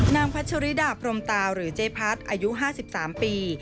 พัชริดาพรมตาหรือเจ๊พัดอายุ๕๓ปี